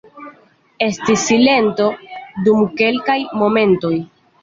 Estis silento dum kelkaj momentoj.